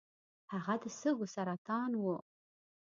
هغه د سږو سرطان و .